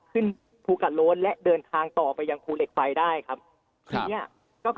ภูกระโล้นและเดินทางต่อไปยังภูเหล็กไฟได้ครับ